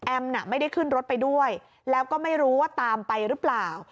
ไม่ได้ขึ้นรถไปด้วยแล้วก็ไม่รู้ว่าตามไปหรือเปล่า